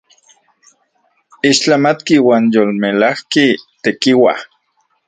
¡Ixtlamatki uan yolmelajki tekiua!